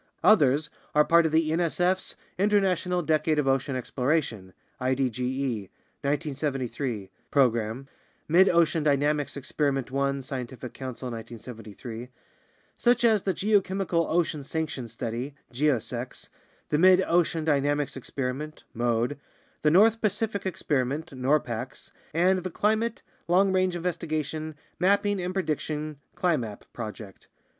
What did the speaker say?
Others are part of the nsf's International Decade of Ocean Exploration (idoe) (1973) program (Mid ocean Dynamics Experi ment one, Scientific Council, 1973), such as the Geochemical Ocean Sections Study (geosecs), the Mid ocean Dynamics Experiment (mode), the North Pacific Experiment (norpax), and the Climate, Long range Investigation, Mapping, and Prediction (climap) project.